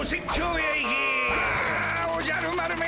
おじゃる丸め！